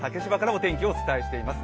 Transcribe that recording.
お天気をお伝えしています。